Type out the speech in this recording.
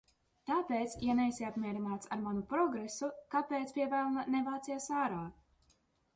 Tāpēc, ja neesi apmierināts ar manu progresu, kāpēc, pie velna, nevācies ārā?